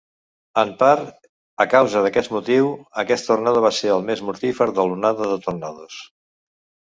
En part a causa d'aquest motiu, aquest tornado va ser el més mortífer de l'onada de tornados.